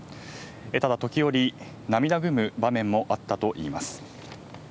ただ、時折涙ぐむ場面もあったといいます。